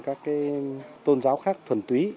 các tôn giáo khác thuần túy